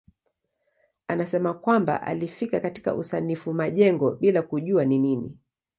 Anasema kwamba alifika katika usanifu majengo bila kujua ni nini.